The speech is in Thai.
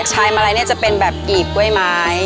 ชายมาลัยเนี่ยจะเป็นแบบกีบกล้วยไม้